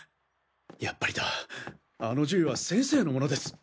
やっぱりだあの銃は先生のものです。